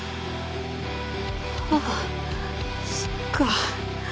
あぁそっか。